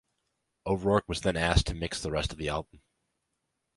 O'Rourke was then asked to mix the rest of the album.